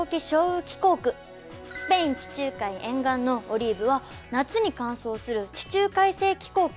スペイン地中海沿岸のオリーブは夏に乾燥する地中海性気候区。